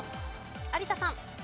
有田さん。